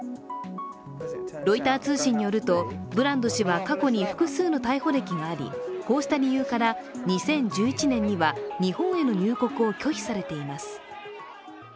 ロイター通信によると、ブランド氏は過去に複数の逮捕歴があり、こうした理由から２０１１年には日本への入国を拒否されています。